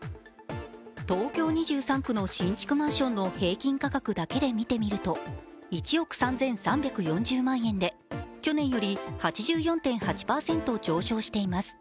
東京２３区の新築マンションの平均価格だけで見てみると、１億３３４０万円で、去年より８４．８％上昇しています